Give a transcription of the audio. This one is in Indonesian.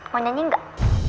mau nyanyi gak